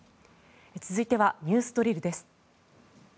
続いてはＮＥＷＳドリルです。